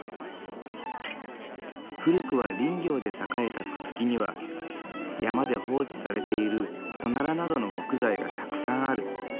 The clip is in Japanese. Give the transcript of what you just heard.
古くは林業で栄えた朽木には山で放置されているコナラなどの木材がたくさんある。